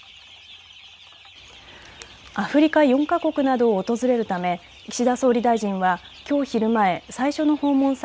アフリカ４か国などを訪れるため岸田総理大臣はきょう昼前、最初の訪問先